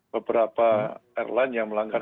beberapa airline yang melanggar